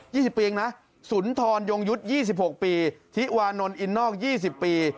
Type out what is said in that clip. ๒๐ปีอีกนะสุนทรยงยุธิยี่สิบหกปีทิวานนท์อินนอก๒๐ปี